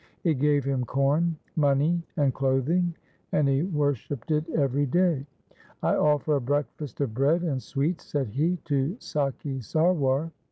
It gave him corn, money, and clothing, and he worshipped it every day. ' I offer a breakfast of bread and sweets,' said he, ' to Sakhi Sarwar.